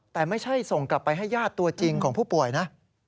แต่ไม่ใช่ส่งกลับไปให้ญาติตัวจริงของผู้ป่วยนะ